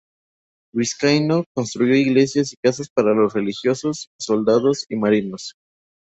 Vizcaíno construyó iglesias y casas para los religiosos, soldados y marinos.